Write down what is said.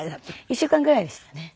１週間ぐらいでしたね。